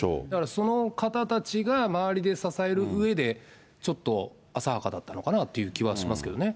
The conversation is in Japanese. その方たちが周りで支えるうえで、ちょっと浅はかだったのかなという気はしますけどね。